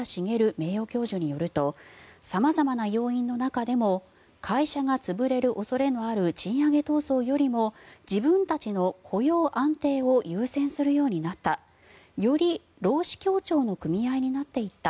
名誉教授によると様々な要因の中でも会社が潰れる恐れのある賃上げ闘争よりも自分たちの雇用安定を優先するようになったより労使協調の組合になっていった。